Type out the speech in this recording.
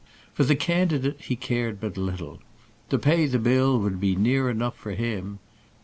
For the candidate he cared but little. To pay the bill would be enough for him.